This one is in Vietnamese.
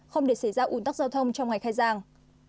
không để xảy ra ủn tắc giao thông trong ngày khai giảng